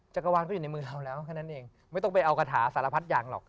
จักรวาลก็อยู่ในมือเราแล้วแค่นั้นเองไม่ต้องไปเอากระถาสารพัดอย่างหรอก